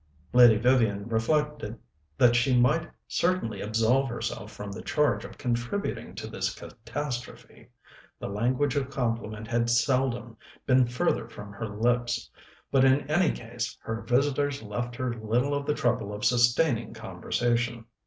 Lady Vivian reflected that she might certainly absolve herself from the charge of contributing to this catastrophe. The language of compliment had seldom been further from her lips; but in any case her visitors left her little of the trouble of sustaining conversation.